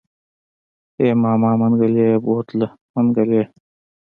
ای ماما منګلی يې بوته منګلی.